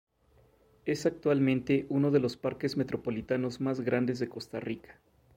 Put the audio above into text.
Es actualmente uno de los parques metropolitanos más grandes de Costa Rica.